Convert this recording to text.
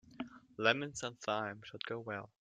Lemons and thyme should go well.